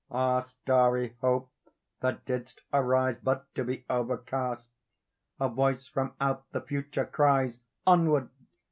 Ah, starry Hope, that didst arise But to be overcast! A voice from out the Future cries, "Onward!"